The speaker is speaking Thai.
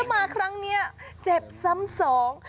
มาครั้งนี้เจ็บซ้ำสอง